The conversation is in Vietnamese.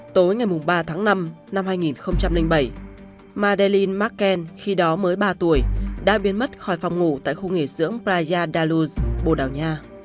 tối ngày ba tháng năm năm hai nghìn bảy madeleine marquen khi đó mới ba tuổi đã biến mất khỏi phòng ngủ tại khu nghỉ sưỡng praia da luz bồ đào nha